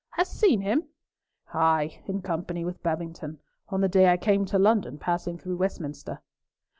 "Hast seen him?" "Ay, in company with Babington, on the day I came to London, passing through Westminster."